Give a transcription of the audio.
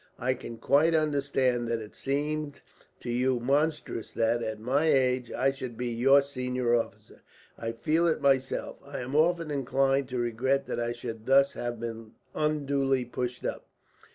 I can quite understand that it seemed to you monstrous that, at my age, I should be your senior officer. I feel it myself. I am often inclined to regret that I should thus have been unduly pushed up.